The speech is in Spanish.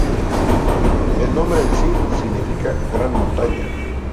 El nombre en sí significa "Gran Montaña".